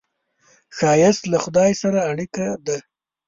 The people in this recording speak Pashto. ښایست له خدای سره اړیکه ده